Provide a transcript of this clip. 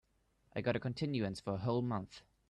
I got a continuance for a whole month.